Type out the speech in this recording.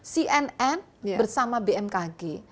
cnn bersama bmkg